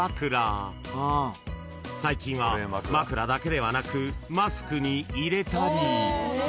［最近は枕だけではなくマスクに入れたり］